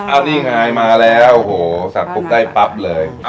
อันนี้ไงมาแล้วสัตว์ปุ๊บใกล้ปั๊บเลย